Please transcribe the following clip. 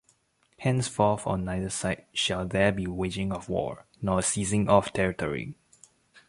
Henceforth on neither side shall there be waging of war nor seizing of territory.